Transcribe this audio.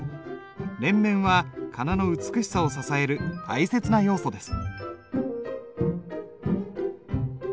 連綿は仮名の美しさを支える大切な要素です。